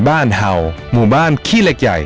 บ้านเบร์งคารต์หมู่บ้านขี้เล็กใหญ่